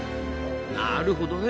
なるほどね。